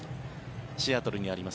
シアトルにあります